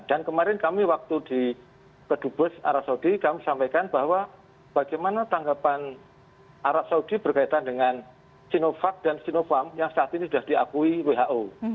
dan kemarin kami waktu di pedugas arab saudi kami sampaikan bahwa bagaimana tanggapan arab saudi berkaitan dengan sinovac dan sinovac yang saat ini sudah diakui who